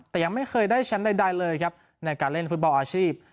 แต่ยังไม่เคยได้แชมป์ใดเลยครับในการเล่นฟุตบอลอาชีพ